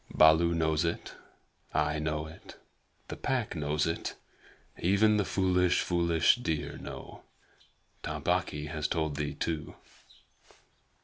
Baloo knows it; I know it; the Pack know it; and even the foolish, foolish deer know. Tabaqui has told thee too."